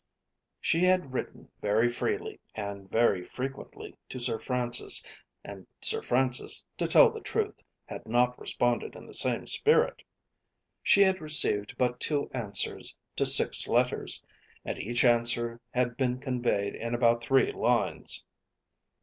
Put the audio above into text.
She had written very freely, and very frequently to Sir Francis, and Sir Francis, to tell the truth, had not responded in the same spirit. She had received but two answers to six letters, and each answer had been conveyed in about three lines.